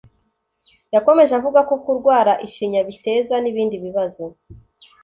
Yakomeje avuga ko kurwara ishinya biteza n'ibindi bibazo